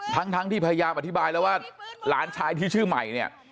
ทั้งที่พยายามอธิบายแล้วว่าหลานชายที่ชื่อใหม่เนี่ย